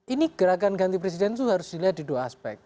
ini gerakan ganti presiden itu harus dilihat di dua aspek